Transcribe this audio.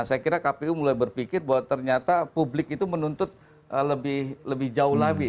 saya kira kpu mulai berpikir bahwa ternyata publik itu menuntut lebih jauh lagi